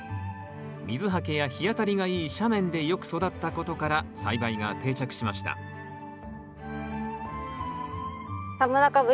水はけや日当たりがいい斜面でよく育ったことから栽培が定着しました田村かぶ